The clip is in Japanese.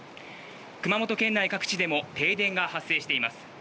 熊本県内各地でも停電が発生しています。